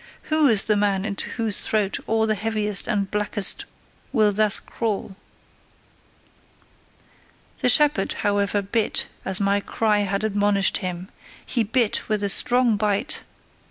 WHO is the man into whose throat all the heaviest and blackest will thus crawl? The shepherd however bit as my cry had admonished him; he bit with a strong bite!